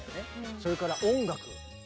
それから音楽。